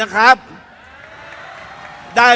กาเบอร์